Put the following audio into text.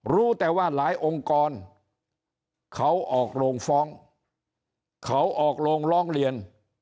รู้แต่ว่าหลายองค์กรเขาออกโรงฟ้องเขาออกโรงร้องเรียน